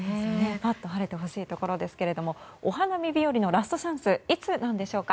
ぱっと晴れてほしいところですがお花見日和のラストチャンスいつなんでしょうか。